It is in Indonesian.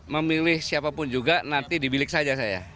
jadi tidak akan menunjukkan